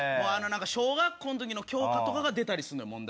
小学校とかの教科とかが出たりするの、問題。